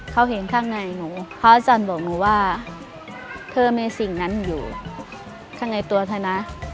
เขาเห็นข้างในหนูพระอาจารย์บอกหนูว่าเธอมีสิ่งนั้นอยู่ข้างในตัวเธอนะ